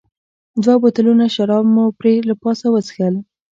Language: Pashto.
دوه بوتلونه شراب مو پرې له پاسه وڅښل.